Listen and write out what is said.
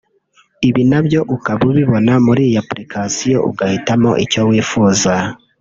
ibi na byo ukaba ubibona muri iyi ’Application’ ugahitamo icyo wifuza